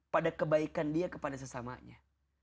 pada kebaikan dia kepada sesamanya